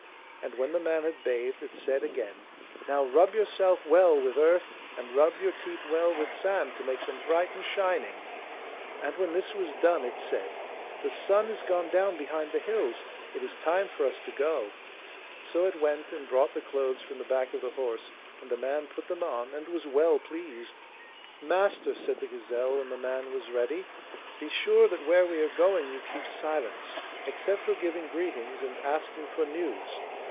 and when the man had bathed it said again, 'Now rub yourself well with earth, and rub your teeth well with sand to make them bright and shining.' And when this was done it said, 'The sun has gone down behind the hills; it is time for us to go': so it went and brought the clothes from the back of the horse, and the man put them on and was well pleased. 'Master!' said the gazelle when the man was ready, 'be sure that where we are going you keep silence, except for giving greetings and asking for news.